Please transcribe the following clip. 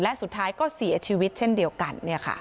และสุดท้ายก็เสียชีวิตเช่นเดียวกัน